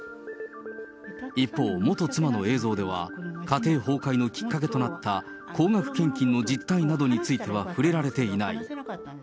一方、元妻の映像では、家庭崩壊のきっかけとなった高額献金の実態などについては触れられていない。